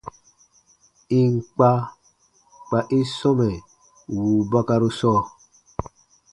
Ì n kpa, kpa i sɔmɛ wùu bakaru sɔɔ.